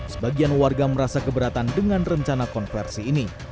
sebagian warga merasa keberatan dengan rencana konversi ini